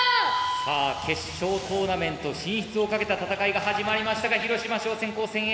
さあ決勝トーナメント進出をかけた戦いが始まりましたが広島商船高専Ａ